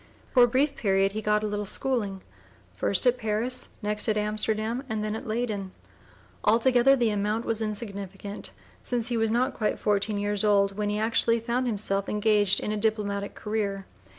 For a brief period he got a little schooling, first at Paris, next at Amsterdam, and then at Leyden; altogether the amount was insignificant, since he was not quite fourteen years old when he actually found himself engaged in a diplomatic career.